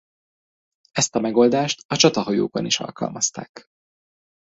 Ezt a megoldást a csatahajókon is alkalmazták.